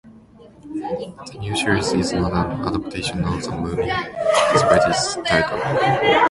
The new series is not an adaptation of the movie, despite its title.